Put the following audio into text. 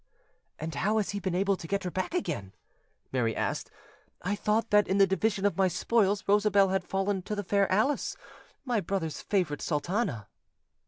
"And how has he been able to get her back again?" Mary asked. "I thought that in the division of my spoils Rosabelle had fallen to the fair Alice, my brother's favourite sultana?"